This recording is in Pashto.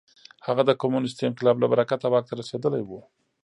هغه د کمونېستي انقلاب له برکته واک ته رسېدلی و.